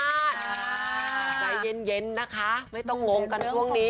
ใจเย็นนะคะไม่ต้องงงกันช่วงนี้